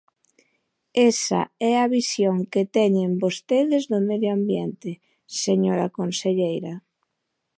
Esa é a visión que teñen vostedes do medio ambiente, señora conselleira.